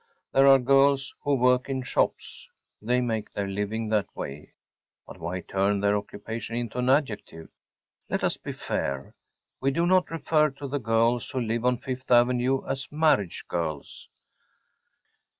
There are girls who work in shops. They make their living that way. But why turn their occupation into an adjective? Let us be fair. We do not refer to the girls who live on Fifth Avenue as “marriage girls.